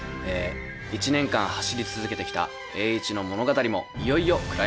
１年間走り続けてきた栄一の物語もいよいよクライマックス！